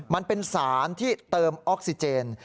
มันเป็นสารที่เติมออกซิเจน